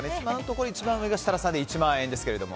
一番上が設楽さんで１万円ですけども。